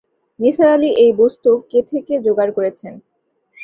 নিসার আলি এই বস্তু কেথেকে জোগাড় করেছেন।